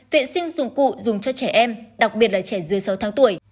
vệ sinh dụng cụ dùng cho trẻ em đặc biệt là trẻ dưới sáu tháng tuổi